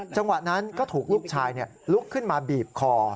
จังหวะนั้นก็ถูกลูกชายลุกขึ้นมาบีบคอ